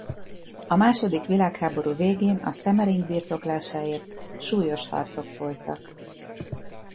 A második világháború végén a Semmering birtoklásáért súlyos harcok folytak.